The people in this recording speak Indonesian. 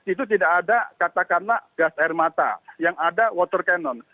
itu tidak ada katakanlah gas air mata yang ada water cannon